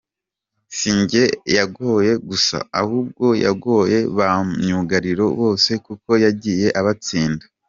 Si njye yagoye gusa ahubwo yagoye ba myugariro bose kuko yagiye abatsinda.